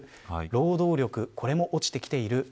労働力も落ちてきている。